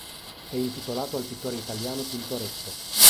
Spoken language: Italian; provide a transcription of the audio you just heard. È intitolato al pittore italiano Tintoretto.